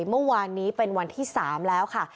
เมื่อวานนี้เป็นวันที่๓แล้วค่ะ